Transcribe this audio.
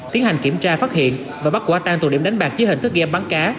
tiến hành kiểm tra phát hiện và bắt quả tan tụ điểm đánh bạc dưới hình thức game bắn cá